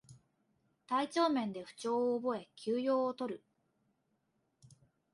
体調面で不調を覚え休養をとる